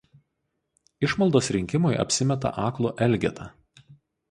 Išmaldos rinkimui apsimeta aklu elgeta.